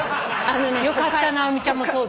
よかった直美ちゃんもそうで。